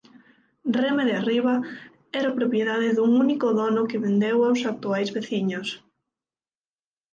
Reme de Arriba era propiedade dun único dono que vendeu aos actuais veciños.